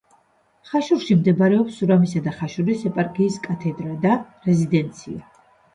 ხაშურში მდებარეობს სურამისა და ხაშურის ეპარქიის კათედრა და რეზიდენცია.